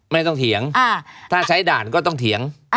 ไม่ต้องเถียงถ้าใช้ด่านก็ต้องเถียง